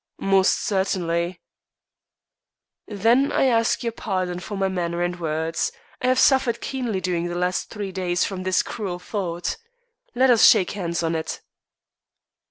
"Most certainly." "Then I ask your pardon for my manner and words. I have suffered keenly during the last three days from this cruel thought. Let us shake hands on it."